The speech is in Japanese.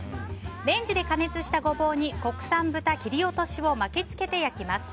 レンジで加熱したゴボウに国産豚切り落としを巻き付けて焼きます。